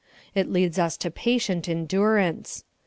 It leads us to patient endurance.